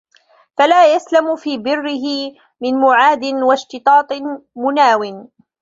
فَلَا يَسْلَمُ فِي بِرِّهِ مِنْ مُعَادٍ وَاشْتِطَاطِ مُنَاوٍ